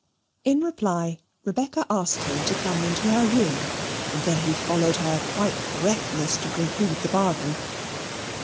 In reply, Rebecca asked him to come into her room, whither he followed her quite breathless to conclude the bargain.